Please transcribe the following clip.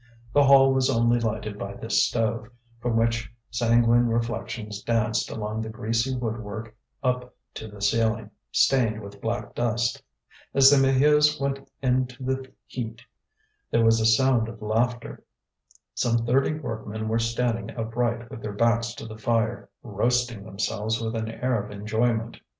The hall was only lighted by this stove, from which sanguine reflections danced along the greasy woodwork up to the ceiling, stained with black dust. As the Maheus went into the heat there was a sound of laughter. Some thirty workmen were standing upright with their backs to the fire, roasting themselves with an air of enjoyment.